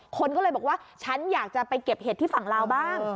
คนก็เลยบอกว่าฉันอยากจะไปเก็บเห็ดที่ฝั่งลาวบ้าง